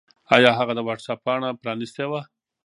آیا هغه د وټس-اپ پاڼه پرانستې وه؟